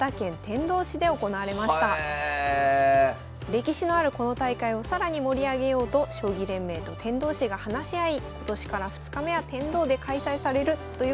歴史のあるこの大会を更に盛り上げようと将棋連盟と天童市が話し合い今年から２日目は天童で開催されるということになりました。